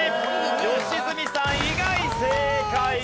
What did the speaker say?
良純さん以外正解です。